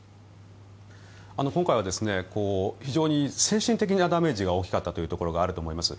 今回は非常に精神的なダメージが大きかったというところがあると思います。